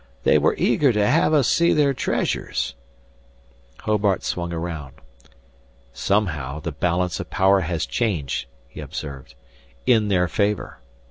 They were eager to have us see their treasures " Hobart swung around. "Somehow the balance of power has changed," he observed, "in their favor.